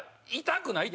痛くない。